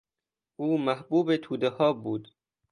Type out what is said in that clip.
او محبوب تودهها بود.